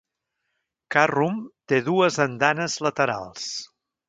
Carrum té dues andanes laterals.